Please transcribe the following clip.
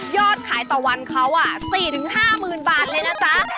ขายต่อวันเขา๔๕๐๐๐บาทเลยนะจ๊ะ